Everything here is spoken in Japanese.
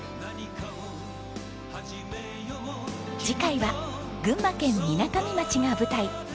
次回は群馬県みなかみ町が舞台。